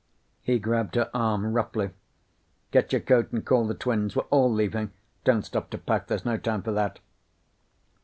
He grabbed her arm roughly. "Get your coat and call the twins. We're all leaving. Don't stop to pack. There's no time for that."